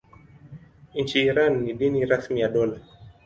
Nchini Iran ni dini rasmi ya dola.